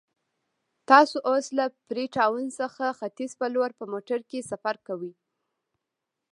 تاسو اوس له فري ټاون څخه ختیځ په لور په موټر کې سفر کوئ.